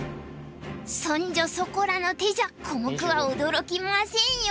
そんじょそこらの手じゃコモクは驚きませんよ！